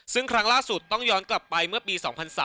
ซึ่งครั้งล่าสุดต้องย้อนกลับไปเมื่อปี๒๐๐๓